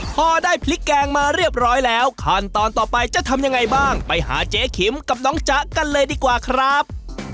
พอได้พริกแกงมาเรียบร้อยแล้วขั้นตอนต่อไปจะทำยังไงบ้างไปหาเจ๊ขิมกับน้องจ๊ะกันเลยดีกว่าครับ